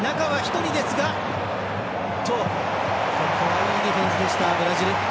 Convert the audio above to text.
いいディフェンスでしたブラジル。